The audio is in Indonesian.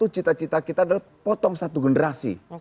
cita cita kita adalah potong satu generasi